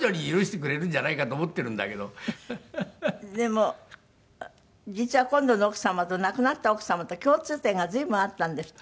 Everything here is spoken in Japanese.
でも実は今度の奥様と亡くなった奥様と共通点が随分あったんですって？